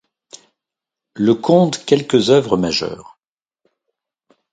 Le compte quelques œuvres majeures.